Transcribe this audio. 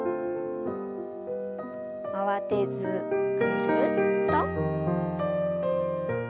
慌てずぐるっと。